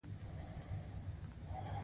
ګلدان کور ښکلی کوي